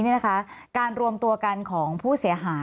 มีความรู้สึกว่าเสียใจ